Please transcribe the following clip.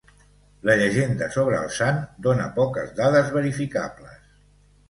La llegenda sobre el sant dóna poques dades verificables.